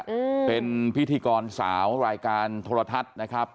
อืมเป็นพิธีกรสาวรายการโทรทัศน์นะครับ